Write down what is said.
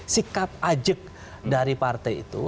sikap ajak dari partai itu